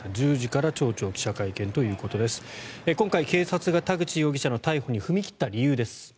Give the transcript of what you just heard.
今回、警察が田口容疑者の逮捕に踏み切った理由です。